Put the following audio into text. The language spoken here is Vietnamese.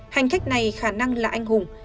hành khách này khả năng là anh hùng